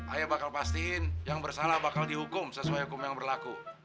ayah bakal pastiin yang bersalah bakal dihukum sesuai hukum yang berlaku